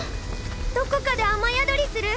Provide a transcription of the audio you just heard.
どこかで雨宿りする？